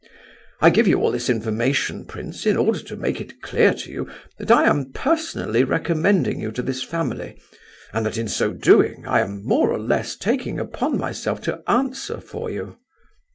I give you all this information, prince, in order to make it clear to you that I am personally recommending you to this family, and that in so doing, I am more or less taking upon myself to answer for you.